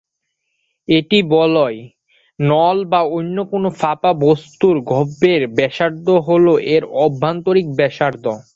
একটি বলয়, নল বা অন্য কোন ফাঁপা বস্তুর গহ্বরের ব্যাসার্ধ হল এর অভ্যন্তরীণ ব্যাসার্ধ।